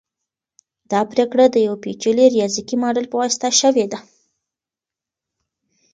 دا پریکړه د یو پیچلي ریاضیکي ماډل په واسطه شوې ده.